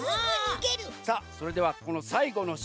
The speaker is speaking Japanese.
さあそれではこのさいごの「し」。